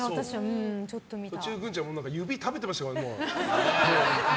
途中、グンちゃんも指食べてましたからね。